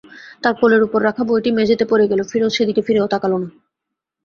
তার কোলের ওপর রাখা বইটি মেঝেতে পড়ে গেল, ফিরোজ সেদিকে ফিরেও তাকাল না।